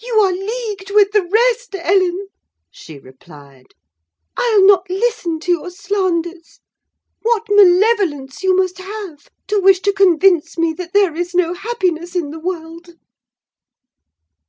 "You are leagued with the rest, Ellen!" she replied. "I'll not listen to your slanders. What malevolence you must have to wish to convince me that there is no happiness in the world!"